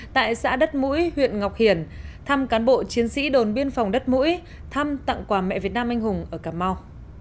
tại xã đất mũi huyện ngọc hiển thăm cán bộ chiến sĩ đồn biên phòng đất mũi thăm tặng quà mẹ việt nam anh hùng ở cà mau